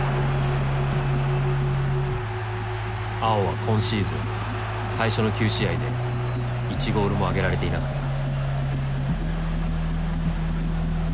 碧は今シーズン最初の９試合で１ゴールも挙げられていなかった。